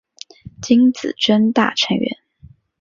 金子真大成员。